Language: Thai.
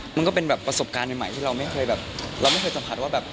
มันก็เป็นประสบการณ์ใหม่ที่เราไม่เคยสัมผัสว่า